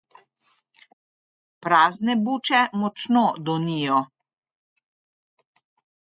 Prazne buče močno donijo.